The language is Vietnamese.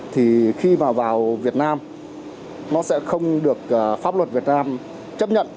thì khi vào việt nam nó sẽ không được pháp luật việt nam chấp nhận